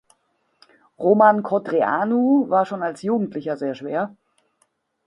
Roman Codreanu war schon als Jugendlicher sehr schwer.